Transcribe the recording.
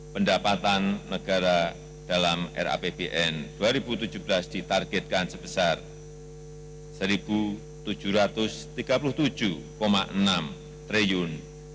pendapatan negara dalam rapbn dua ribu tujuh belas ditargetkan sebesar rp satu tujuh ratus tiga puluh tujuh enam triliun